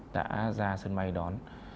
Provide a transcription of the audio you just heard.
đã ra sân bay đón